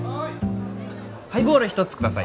ハイボール１つください。